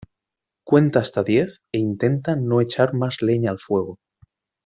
Cuenta hasta diez e intenta no echar más leña al fuego.